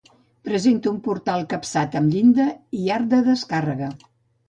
Presenta un portal capçat amb llinda i arc de descàrrega.